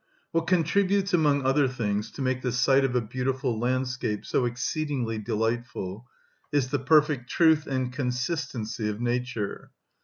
What contributes among other things to make the sight of a beautiful landscape so exceedingly delightful is the perfect truth and consistency of nature.